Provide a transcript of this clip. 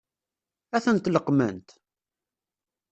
Ad tent-leqqment?